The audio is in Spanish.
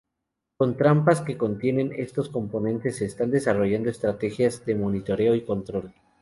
Con trampas que contienen estos componentes se están desarrollado estrategias de monitoreo y control.